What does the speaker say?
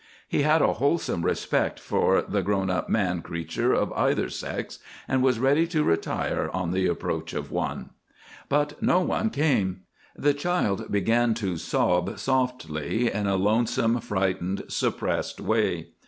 He had a wholesome respect for the grown up man creature of either sex, and was ready to retire on the approach of one. But no one came. The child began to sob softly, in a lonesome, frightened, suppressed way.